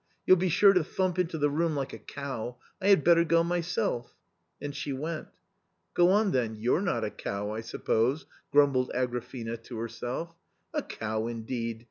You'll be sure to thump into the room like a cow. I had better go myself/' And she went. " Go on, then, you're not a cow, I suppose " grumbled Agrafena to herself. " A cow, indeed